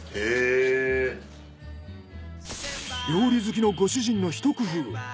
料理好きのご主人のひと工夫！